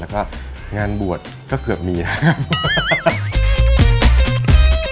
แล้วก็งานบวชก็เกือบมีนะครับ